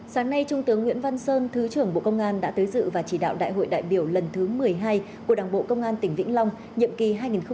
sáng nay trung tướng nguyễn văn sơn thứ trưởng bộ công an đã tới dự và chỉ đạo đại hội đại biểu lần thứ một mươi hai của đảng bộ công an tỉnh vĩnh long nhiệm kỳ hai nghìn hai mươi hai nghìn hai mươi năm